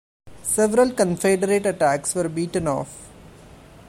Several Confederate attacks were beaten off.